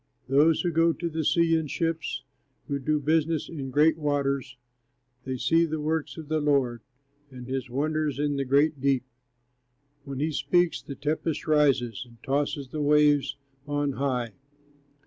Taylor] Those who go to the sea in ships, Who do business in great waters, They see the works of the Lord, And his wonders in the great deep. When he speaks, the tempest rises, And tosses the waves on high.